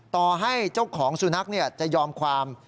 ต่อให้เจ้าของสุนัขจะยอมความ